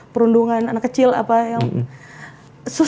perundungan anak kecil apa yang susah